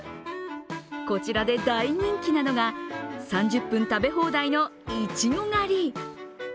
こちらで大人気なのが３０分食べ放題のいちご狩り。